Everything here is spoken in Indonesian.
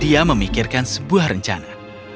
dia memikirkan sebuah rencana